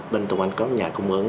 bên tùng anh có một nhà cung ứng